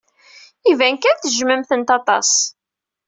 Iban kan tejjmemt-ten aṭas.